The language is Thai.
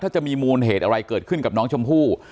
ถ้าจะมีมูลเหตุอะไรเกิดขึ้นกับน้องชมพู่